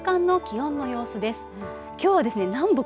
この時間の気温の様子です。